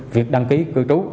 việc đăng ký cư trú